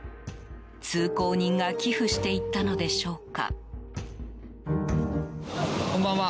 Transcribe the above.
通行人が寄付していったのでしょうか。